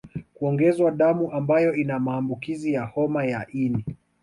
Kuongezewa damu ambayo ina maambukizi ya homa ya ini